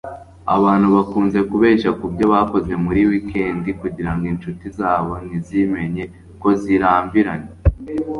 Abantu bakunze kubeshya kubyo bakoze muri wikendi kugirango inshuti zabo ntizimenye ko zirambiranye